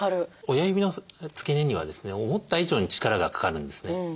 親指の付け根にはですね思った以上に力がかかるんですね。